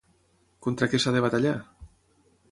Contra què s'ha de batallar?